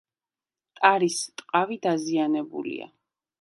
ტარის ტყავი დაზიანებულია.